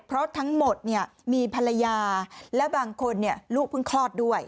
เพราะทั้งหมดเนี่ยมีภรรยาและบางคนลูกเพิ่งคลอดด้วย